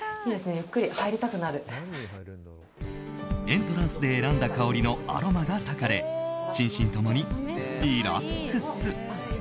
エントランスで選んだ香りのアロマがたかれ心身共にリラックス。